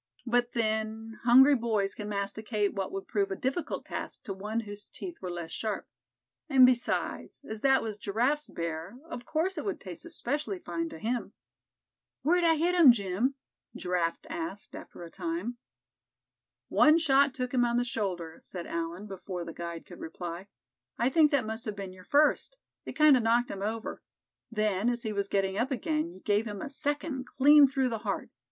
But then, hungry boys can masticate what would prove a difficult task to one whose teeth were less sharp; and besides, as that was Giraffe's bear; of course it would taste especially fine to him. "Where'd I hit him, Jim?" Giraffe asked, after a time. "One shot took him on the shoulder," said Allan, before the guide could reply. "I think that must have been your first. It kind of knocked him over. Then, as he was getting up again, you gave him a second clean through the heart.